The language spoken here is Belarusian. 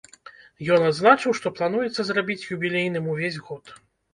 Ён адзначыў, што плануецца зрабіць юбілейным увесь год.